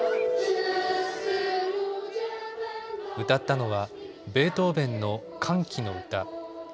歌ったのはベートーベンの歓喜の歌。